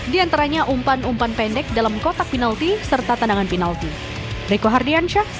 di antaranya umpan umpan pendek dalam kotak penalti serta tendangan penalti